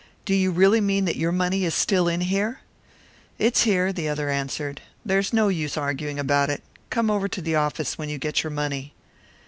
Do you really mean that your money is still in here?" "It's here," the other answered. "There's no use arguing about it come over to the office when you get your money."